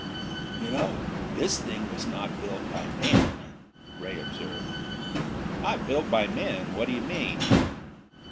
"You know, this thing was not built by men," Ray observed. "Not built by men? What do you mean?"